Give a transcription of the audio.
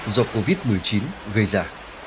các khó khăn do covid một mươi chín gây ra